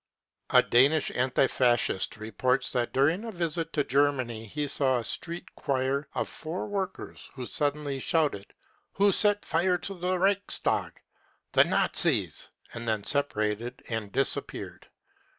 A Danish anti Fascist reports that during a visit to Germany he saw a street choir of four workers, who sud denly shouted :" Who set fire to the Reichstag ? The Nazis ! 55 — and then separated and disappeared.